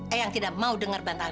eyang tidak mau dengar bantuanmu